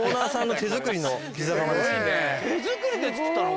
手作りで作ったの？